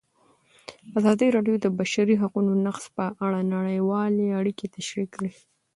ازادي راډیو د د بشري حقونو نقض په اړه نړیوالې اړیکې تشریح کړي.